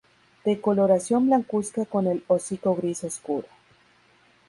De coloración blancuzca con el hocico gris oscuro.